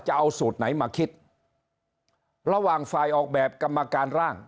จะเอาสูตรไหนมาคิดระหว่างฝ่ายออกแบบกรรมการร่าง